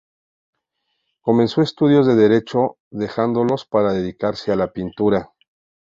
Comenzó estudios de derecho dejándolos para dedicarse a la pintura.